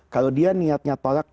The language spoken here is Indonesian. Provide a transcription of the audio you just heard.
kalau dia niatnya tolak